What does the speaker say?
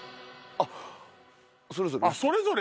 あっそれぞれ。